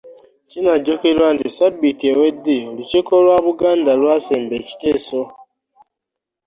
Kinajjukirwa nti Ssabbiiti ewedde olukiiko lwa Buganda lwasemba ekiteeso.